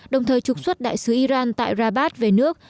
đồng thời trục xuất đại sứ iran tại rabat về nước